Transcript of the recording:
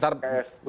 udah seperti itu